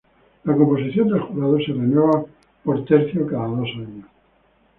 La composición del jurado se renueva por tercios cada dos años.